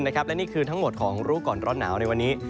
และนี่คือทั้งหมดของรู้ก่อนร้อนหนาวในวันนี้